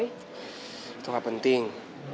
itu gak penting